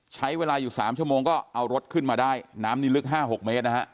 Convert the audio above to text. ใช้เวลาอยู่๓ชั่วโมงก็เอารถขึ้นมาได้น้ำนี่ลึก๕๖เมตรนะฮะ